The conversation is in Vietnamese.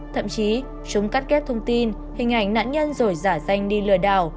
thậm chí chúng cắt ghép thông tin hình ảnh nạn nhân rồi giả danh đi lừa đảo